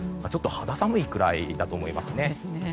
ちょっと肌寒いくらいだと思いますね。